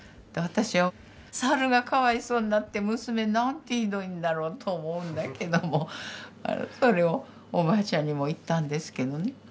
私は猿がかわいそうになって娘なんてひどいんだろうと思うんだけどもそれをおばあちゃんにも言ったんですけどね。